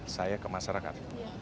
saya ke masyarakat